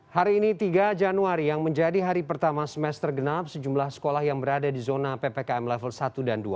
hari ini tiga januari yang menjadi hari pertama semester genap sejumlah sekolah yang berada di zona ppkm level satu dan dua